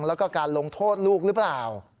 แล้วก็การลงโทษลูกหรือเปล่า